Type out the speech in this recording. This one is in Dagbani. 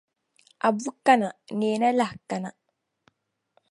Abu kana, Neena lahi kana.